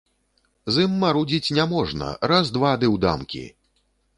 З ім марудзіць няможна, раз, два ды ў дамкі!